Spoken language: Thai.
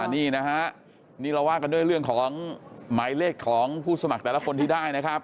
นี่นะฮะนี่เราว่ากันด้วยเรื่องของหมายเลขของผู้สมัครแต่ละคนที่ได้นะครับ